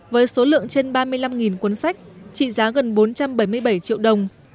với số lượng trên ba mươi năm cuốn sách trị giá gần bốn trăm bảy mươi bảy triệu đồng